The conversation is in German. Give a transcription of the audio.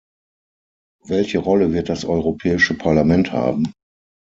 Welche Rolle wird das Europäische Parlament haben?